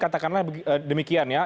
katakanlah demikian ya